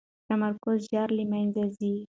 تمرکز ژر له منځه ځي.